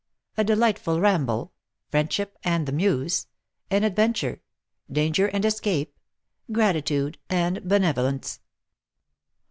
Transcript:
A DELIGHTFUL RAMBLE FRIENDSHIP AND THE MUSE AN AD VENTURE DANGER AND ESCAPE GRATITUDE AND BENEVO LENCE.